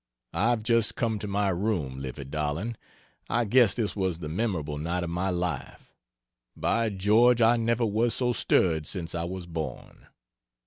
I've just come to my room, Livy darling, I guess this was the memorable night of my life. By George, I never was so stirred since I was born.